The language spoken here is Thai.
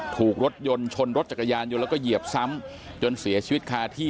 ถูกรถยนต์ชนรถจักรยานยนต์แล้วก็เหยียบซ้ำจนเสียชีวิตคาที่